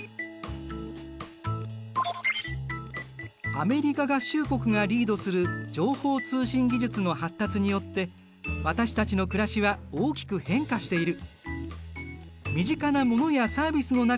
アメリカ合衆国がリードする情報通信技術の発達によって私たちの暮らしは大きく変化している。